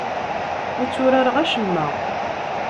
Ur tturareɣ acemma.